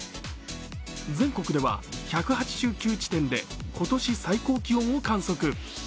全国では１８９地点で今年最高気温を観測。